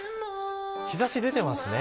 日差し出てますね。